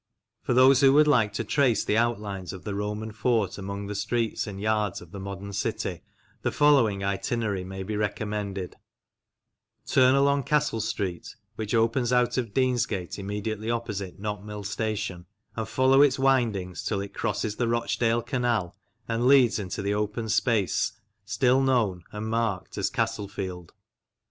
For those who would like to trace the outlines of the Roman fort among the streets and yards of the modern city, the following itinerary may be recommended : Turn along Castle Street (which opens out of Deansgate immediately opposite Knott Mill Station) and follow its windings till it crosses the 40 MEMORIALS OF OLD LANCASHIRE Rochdale Canal and leads into the open space still known (and marked) as Castlefield.